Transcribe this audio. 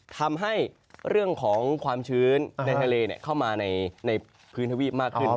ทำให้เรื่องของความชื้นในทะเลเข้ามาในพื้นทวีปมากขึ้น